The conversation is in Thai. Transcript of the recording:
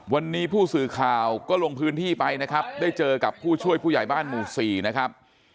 วันนี้ผู้สื่อข่าวก็ลงพื้นที่ไปนะครับได้เจอกับผู้ช่วยผู้ใหญ่บ้านหมู่๔นะครับ